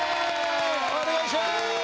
お願いします！